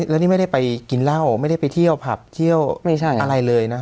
แล้วนี่ไม่ได้ไปกินเหล้าไม่ได้ไปเที่ยวผับเที่ยวอะไรเลยนะ